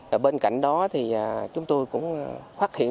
ở bên cạnh đó chúng tôi cũng phát hiện